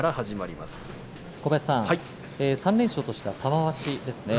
３連勝とした玉鷲です。